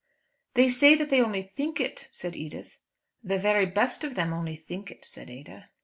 "They say that they only think it," said Edith. "The very best of them only think it," said Ada.